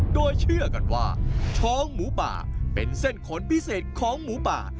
โดยเชื่อกันว่าช้องหมูป่าเป็นเส้นขนพิเศษของหมูป่า